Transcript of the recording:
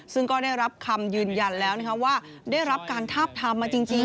ซึ่งก็ได้รับคำยืนยันแล้วว่าได้รับการทาบทามมาจริง